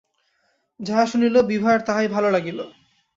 যাহা শুনিল, বিভার তাহাই ভালো লাগিল।